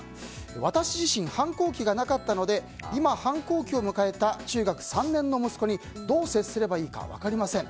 私自身反抗期がなかったので今、反抗期を迎えた中学３年の息子にどう接すればいいか分かりません。